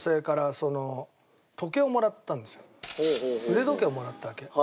腕時計をもらったわけ。